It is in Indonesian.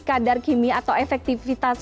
kadar kimia atau efektivitas